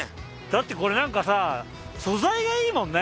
ってこれなんかさ素材がいいもんね！